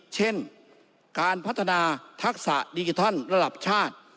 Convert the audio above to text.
เช่นการพัฒนาทักษะดิจิทัลระดับชาติ